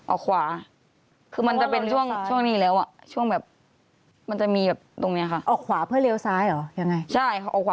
ออกขวาคือมันจะเป็นช่วงนี้แล้วอ่ะ